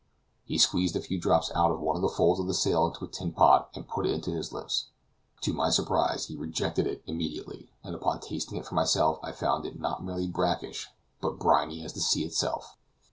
He squeezed a few drops out of one of the folds of a sail into a tin pot, and put it to his lips. To my surprise, he rejected it immediately, and upon tasting it for myself I found it not merely brackish, but briny as the sea itself.